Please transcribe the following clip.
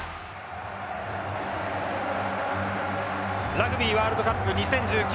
ラグビーワールドカップ２０１９